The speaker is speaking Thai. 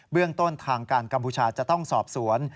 เรื่องต้นทางการกัมพูชาจะต้องสอบสวน